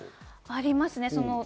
ありますね。